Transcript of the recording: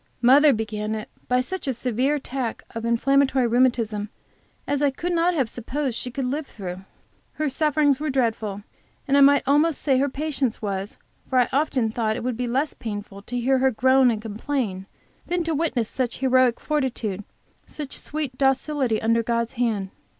Mother began it by such a severe attack of inflammatory rheumatism as I could not have supposed she could live through. Her sufferings were dreadful, and I might almost say her patience was, for I often thought it would be less painful to hear her groan and complain, than to witness such heroic fortitude, such sweet docility under God's hand.